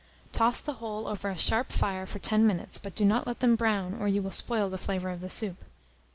Toss the whole over a sharp fire for 10 minutes, but do not let them brown, or you will spoil the flavour of the soup.